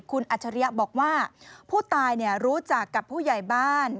คุณอัจฉริยะบอกว่าผู้ตายรู้จักกับผู้ใหญ่บ้าน